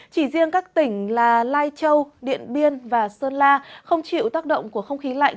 chỉ riêng các tỉnh là lai châu điện biên và sơn la không chịu tác động của không khí lạnh